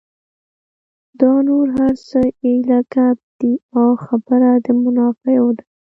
دا نور هر څه ایله ګپ دي او خبره د منافعو ده.